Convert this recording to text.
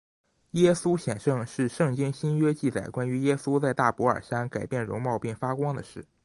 耶稣显圣容是圣经新约记载关于耶稣在大博尔山改变容貌并且发光的事。